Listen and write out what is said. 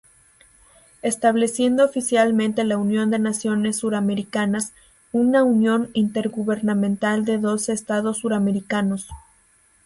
Estableciendo oficialmente la Unión de Naciones Suramericanas, una unión intergubernamental de doce Estados suramericanos.